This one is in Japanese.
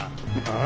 ああ。